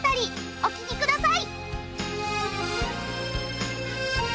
お聴きください。